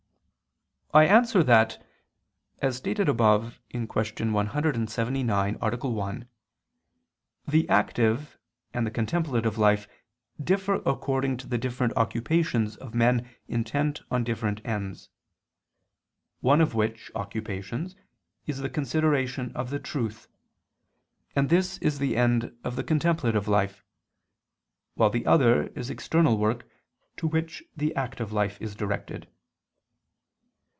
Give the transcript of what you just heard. I answer that, As stated above (Q. 179, A. 1) the active and the contemplative life differ according to the different occupations of men intent on different ends: one of which occupations is the consideration of the truth; and this is the end of the contemplative life, while the other is external work to which the active life is directed.